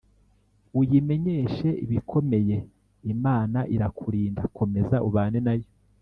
Uyimenyeshe ibikomeye imana irakurinda ,komeza ubane nayo